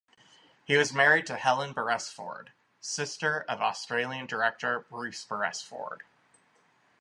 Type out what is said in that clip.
He was married to Helen Beresford, sister of Australian Director, Bruce Beresford.